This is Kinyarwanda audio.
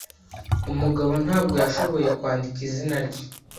Umugabo ntabwo yashoboye cyane kwandika izina rye.